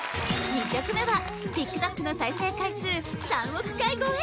２曲目はＴｉｋＴｏｋの再生回数３億回超え